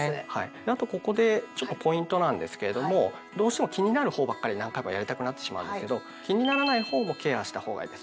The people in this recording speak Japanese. あとここでちょっとポイントなんですけれどもどうしても気になるほうばっかり何回もやりたくなってしまうんですけど気にならないほうもケアしたほうがいいです。